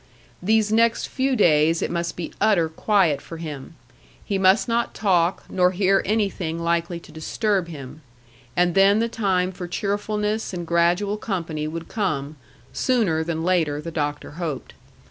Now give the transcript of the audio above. These next few days it must be utter quiet for him; he must not talk nor hear anything likely to disturb him; and then the time for cheerfulness and gradual company would come sooner than later, the doctor hoped.